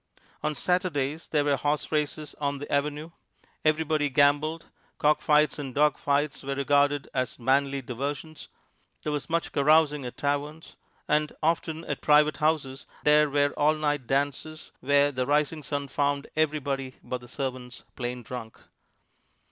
On Saturdays, there were horse races on the "Avenue"; everybody gambled; cockfights and dogfights were regarded as manly diversions; there was much carousing at taverns; and often at private houses there were all night dances where the rising sun found everybody but the servants plain drunk.